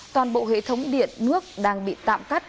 toàn bộ hệ thống điện nước đang bị tạm cắt